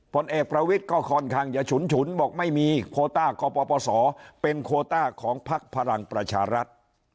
ผลเอกประวิทย์ก็ค่อนข้างจะฉุนฉุนบอกไม่มีโคต้ากปศเป็นโคต้าของพักพลังประชารัฐ